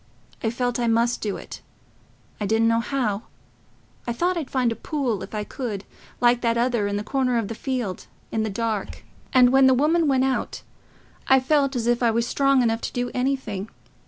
I felt I must do it... I didn't know how... I thought I'd find a pool, if I could, like that other, in the corner of the field, in the dark. And when the woman went out, I felt as if I was strong enough to do anything...